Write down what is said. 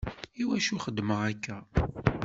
Iwacu xeddmeɣ akka?